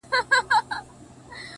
• دى وايي دا ـ